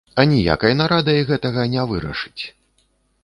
Аніякай нарадай гэтага не вырашыць.